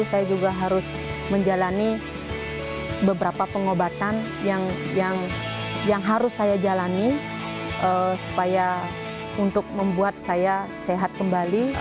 saya juga harus menjalani beberapa pengobatan yang harus saya jalani supaya untuk membuat saya sehat kembali